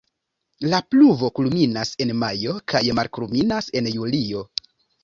La pluvo kulminas en majo kaj malkulminas en julio.